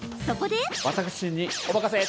そこで。